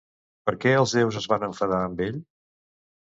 Per què els déus es van enfadar amb ell?